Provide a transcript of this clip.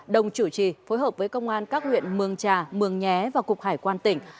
đồng chủ trì phối hợp với công an các huyện mường trà mường nhé và cục hải quan tỉnh